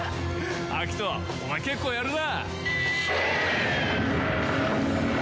アキトお前結構やるな！